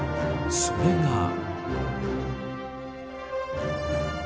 それが。